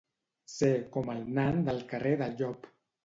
Ser com el nan del carrer del Llop.